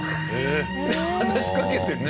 話しかけてるよ。